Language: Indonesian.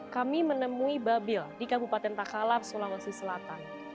kami menemui babil di kabupaten takalar sulawesi selatan